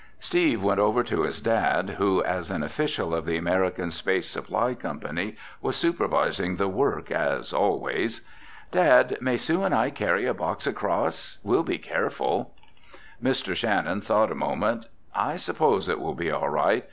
Steve went over to his dad who, as an official of the American Space Supply Company, was supervising the work as always. "Dad, may Sue and I carry a box across? We'll be careful." Mr. Shannon thought a moment. "I suppose it will be all right.